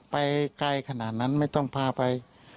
ไปไกลขนาดนั้นไม่ต้องพาไป